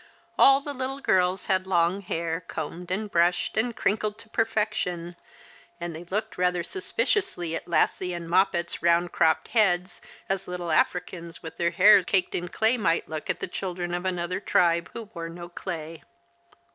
All the little girls had long hair, combed and brushed and crinkled to perfection ; and they looked rather suspiciously at Lassie and Moppet's round cropped heads, as little Africans with their hair caked in clay might look at the children of another tribe who wore no clay.